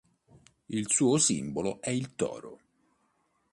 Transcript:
Il suo simbolo è il toro.